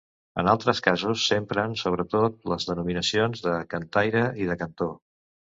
En altres casos s'empren sobretot les denominacions de cantaire i de cantor.